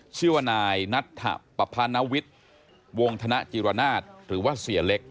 ชื่อว่านายนัทปภานวิทย์วงธนจิรนาศหรือว่าเสียเล็ก